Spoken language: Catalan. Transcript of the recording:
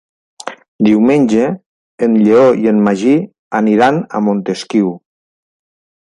Diumenge en Lleó i en Magí aniran a Montesquiu.